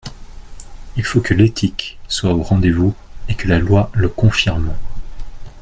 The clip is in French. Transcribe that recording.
Il faut que l’éthique soit au rendez-vous et que la loi le confirme.